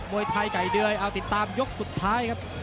วยไทยไก่เดยเอาติดตามยกสุดท้ายครับ